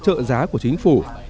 trợ giá của chính phủ